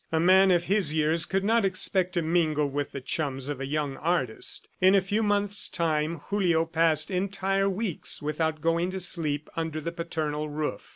A man of his years could not expect to mingle with the chums of a young artist. In a few months' time, Julio passed entire weeks without going to sleep under the paternal roof.